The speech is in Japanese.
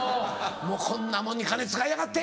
もうこんなもんに金使いやがって！